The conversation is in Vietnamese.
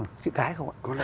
chữ cái không ạ